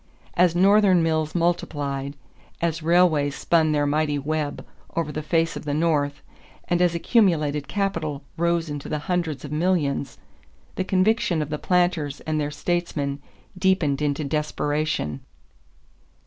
As Northern mills multiplied, as railways spun their mighty web over the face of the North, and as accumulated capital rose into the hundreds of millions, the conviction of the planters and their statesmen deepened into desperation.